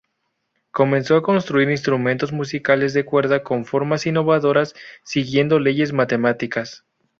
Comenzó a construir instrumentos musicales de cuerda con formas innovadoras, siguiendo leyes matemáticas.